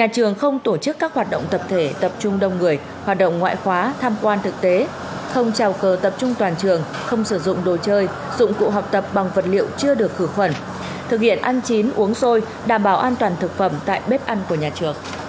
các trường đảm bảo đủ nước uống cho học sinh mỗi em nên có một cốc uống riêng được vệ sinh hàng ngày hoặc bình nước riêng